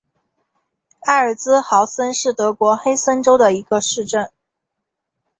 埃尔茨豪森是德国黑森州的一个市镇。